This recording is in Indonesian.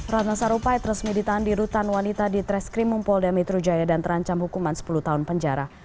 ratna sarumpait resmi ditahan di rutan wanita di treskrimum polda metro jaya dan terancam hukuman sepuluh tahun penjara